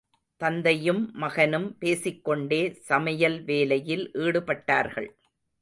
தந்தையும் மகனும் பேசிக்கொண்டே சமையல் வேலையில் ஈடுபட்டார்கள்.